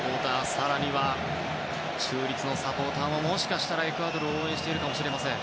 更には中立のサポーターももしかしたらエクアドルを応援しているかもしれません。